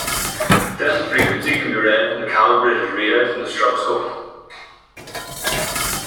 Then the frequency can be read from the calibrated readout on the stroboscope.